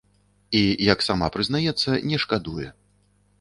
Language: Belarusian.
І, як сама прызнаецца, не шкадуе.